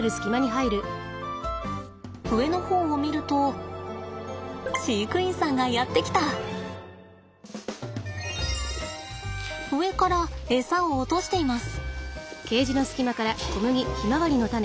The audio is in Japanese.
上の方を見ると飼育員さんがやって来た！上からエサを落としています。